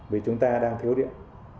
vì chúng ta đang thiếu điện